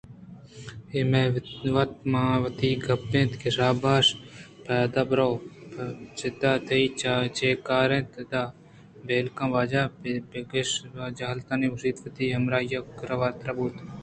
اے مئے وت ماں وتی گپ اَنت شاباش پادا برو چداں تئی چے کار اِنت اداں ؟ پہل کن واجہ! بہ بکشبزگر ءَ پہ حجالتی ءَ گوٛشت ءُوتی ہمراہانی کِرّا واتر بوت